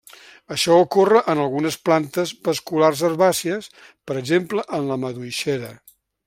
Això ocorre en algunes plantes vasculars herbàcies, per exemple en la maduixera.